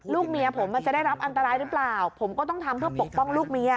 เมียผมมันจะได้รับอันตรายหรือเปล่าผมก็ต้องทำเพื่อปกป้องลูกเมีย